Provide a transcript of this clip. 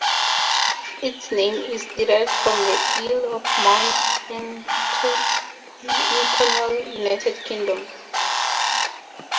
Its name is derived from the Earl of Mount Edgecombe in Cornwall, United Kingdom.